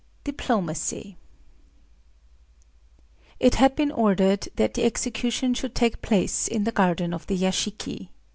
DIPLOMACY It had been ordered that the execution should take place in the garden of the yashiki (1).